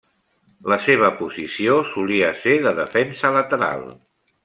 La seva posició solia ser de defensa lateral.